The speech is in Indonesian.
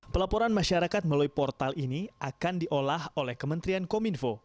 pelaporan masyarakat melalui portal ini akan diolah oleh kementerian kominfo